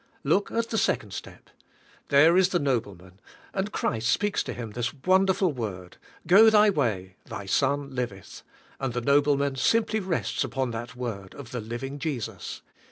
Look at the second step. There is the nobleman, and Christ speaks to him this won derful word: "Go thy way; thy son liveth ;" and the nobleman simply rests upon that word of the living Jesus.